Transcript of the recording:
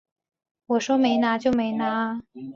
我说没拿就没拿啊